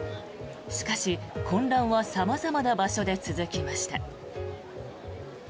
しかし混乱は様々な場所で続きました。